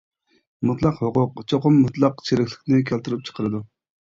مۇتلەق ھوقۇق چوقۇم مۇتلەق چېرىكلىكنى كەلتۈرۈپ چىقىرىدۇ.